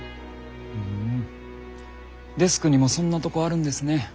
ふんデスクにもそんなとこあるんですね。